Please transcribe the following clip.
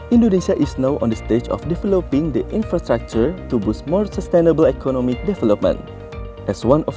indonesia sekarang sedang membangun infrastruktur untuk membangun pembangunan ekonomi yang lebih berkualitas